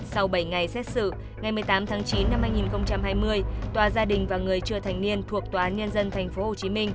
sau bảy ngày xét xử ngày một mươi tám tháng chín năm hai nghìn hai mươi tòa gia đình và người chưa thành niên thuộc tòa nhân dân tp hcm